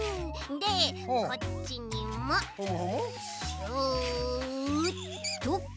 でこっちにもシュッとかいて。